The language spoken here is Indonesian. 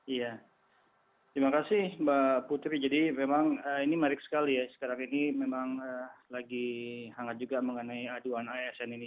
iya terima kasih mbak putri jadi memang ini menarik sekali ya sekarang ini memang lagi hangat juga mengenai aduan asn ini